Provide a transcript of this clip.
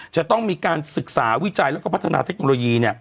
จะต้องมีการศึกษาวิจัยแล้วก็พัฒนาเทคโนโลยี